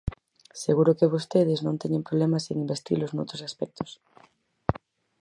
Seguro que vostedes non teñen problemas en investilos noutros aspectos.